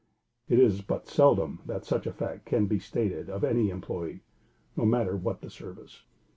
It is but seldom that such a fact can be stated of any employee, no matter what the service.